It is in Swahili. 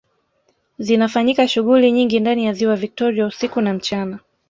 Zinafanyika shughuli nyingi ndani ya ziwa Viktoria usiku na mchana